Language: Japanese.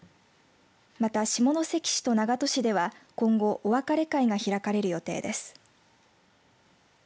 また下関市と長門市では今後お別れ会が開かれる予定です。